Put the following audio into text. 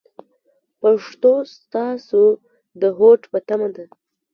پښتو ستاسو د هوډ په تمه ده.